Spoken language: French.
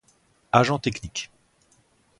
Agent technique.